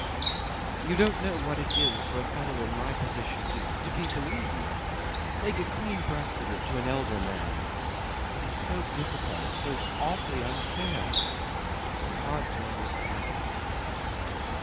... "You don't know what it is for a fellow in my position to be believed make a clean breast of it to an elder man. It is so difficult so awfully unfair so hard to understand."